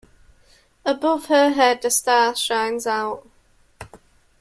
Above her head a star shines out.